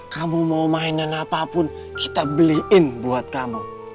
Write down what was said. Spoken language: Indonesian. kamu mau mainan apapun kita beliin buat kamu